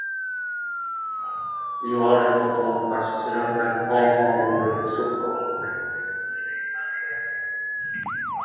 এ ওয়ার্ডের বর্তমান কাউন্সিলর হলেন খ ম মামুন রশিদ শুভ্র।